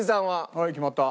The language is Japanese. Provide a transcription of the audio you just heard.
はい決まった。